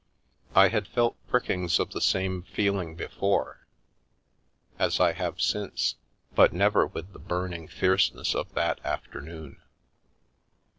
I had felt prickings of the same feeling before, as I have since, but never with the burning fierceness of that afternoon.